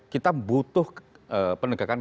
kita butuh penegakan